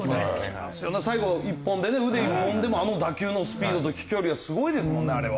最後１本でね腕１本でもあの打球のスピードと飛距離はすごいですもんねあれは。